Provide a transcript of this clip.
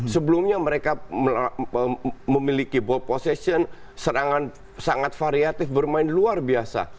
sebelumnya mereka memiliki ball position serangan sangat variatif bermain luar biasa